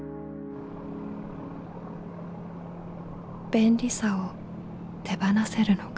便利さを手放せるのか？